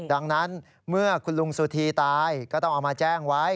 ดังนั้นเมื่อคุณลุงสุธีตายก็ต้องเอามาแจ้งไว้